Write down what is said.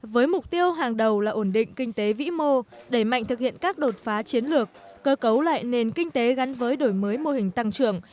với mục tiêu hàng đầu là ổn định kinh tế vĩ mô đẩy mạnh thực hiện các đột phá chiến lược cơ cấu lại nền kinh tế gắn với đổi mới mô hình tăng trưởng